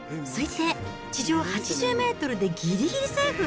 推定地上８０メートルでぎりぎりセーフ。